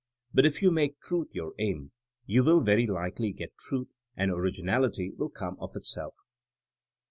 But if you make truth your aim you will very likely get truth, and originality will come of itself.